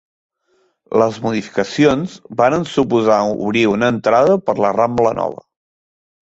Les modificacions varen suposar obrir una entrada per la Rambla Nova.